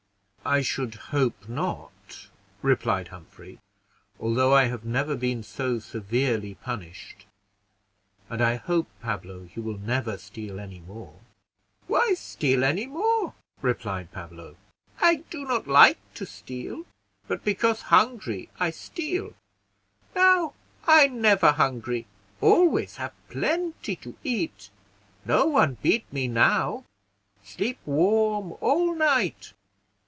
"I should hope not," replied Humphrey, "although I have never been so severely punished: and I hope, Pablo, you will never steal any more." "Why steal any more?" replied Pablo. "I not like to steal, but because hungry I steal. Now, I never hungry, always have plenty to eat; no one beat me now; sleep warm all night.